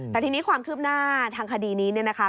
แต่ทีนี้ความคืบหน้าทางคดีนี้เนี่ยนะคะ